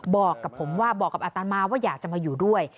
บอกกับผมว่าบอกกับอัตมาว่าอยากจะมาอยู่ด้วย